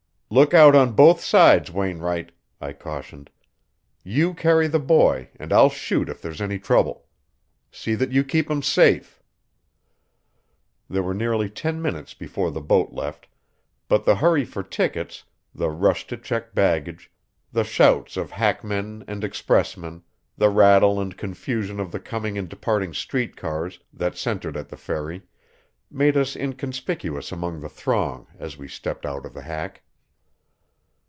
"Look out on both sides, Wainwright," I cautioned. "You carry the boy and I'll shoot if there's any trouble. See that you keep him safe." There were nearly ten minutes before the boat left, but the hurry for tickets, the rush to check baggage, the shouts of hackmen and expressmen, the rattle and confusion of the coming and departing street cars that centered at the ferry, made us inconspicuous among the throng as we stepped out of the hack.